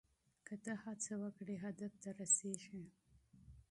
که ته هڅه وکړې هدف ته رسیږې.